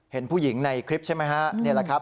เห็นผู้หญิงในคลิปใช่ไหมฮะนี่แหละครับ